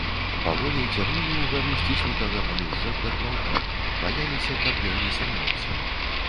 Паволі цягнулі ўгару сціснутага паміж жэрдак ваўка, баяліся, каб ён не сарваўся.